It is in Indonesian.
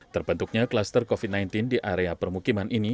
terbentuknya kluster covid sembilan belas di area permukiman ini